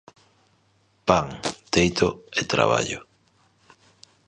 Pan, teito e traballo.